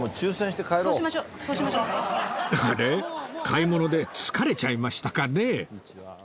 買い物で疲れちゃいましたかね？